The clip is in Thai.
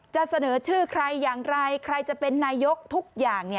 จะเสนอชื่อใครอย่างไรใครจะเป็นนายกทุกอย่าง